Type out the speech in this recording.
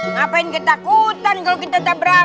ngapain ketakutan kalau kita tabrakan